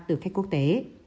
từ khách quốc tế